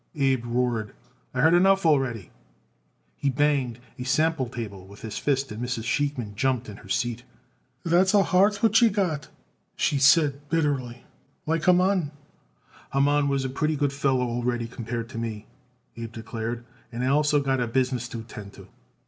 Abe roared. "I heard enough already." He banged a sample table with his fist and Mrs. Sheikman jumped in her seat. "That's a heart what you got it," she said bitterly, "like Haman." "Haman was a pretty good feller already compared to me," Abe declared; "and also I got business to attend to."